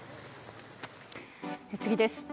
次です。